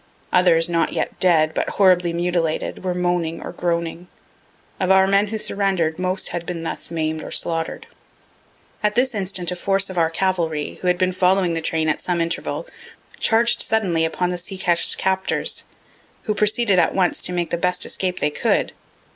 Others, not yet dead, but horribly mutilated, were moaning or groaning. Of our men who surrender'd, most had been thus maim'd or slaughter'd. At this instant a force of our cavalry, who had been following the train at some interval, charged suddenly upon the secesh captors, who proceeded at once to make the best escape they could.